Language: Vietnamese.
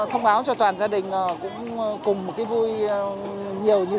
thông báo cho toàn gia đình cũng cùng một cái vui nhiều như thế này